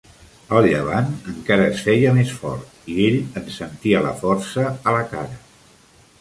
El llevant encara es feia més fort, i ell en sentia la força a la cara.